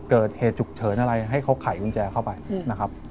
เกิดเหตุฉุกเฉินอะไรให้เขาไขกุญแจเข้าไปนะครับ